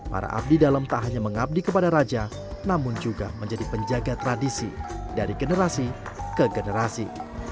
para abdi dalam tak hanya mengabdi kepada raja namun juga menjadi penjaga tradisi dari generasi ke generasi